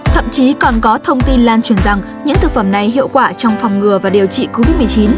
thậm chí còn có thông tin lan truyền rằng những thực phẩm này hiệu quả trong phòng ngừa và điều trị covid một mươi chín